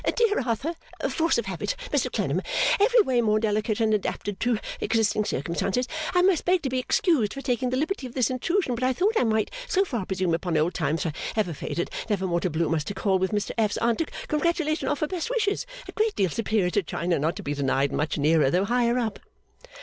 'Dear Arthur force of habit, Mr Clennam every way more delicate and adapted to existing circumstances I must beg to be excused for taking the liberty of this intrusion but I thought I might so far presume upon old times for ever faded never more to bloom as to call with Mr F.'s Aunt to congratulate and offer best wishes, A great deal superior to China not to be denied and much nearer though higher up!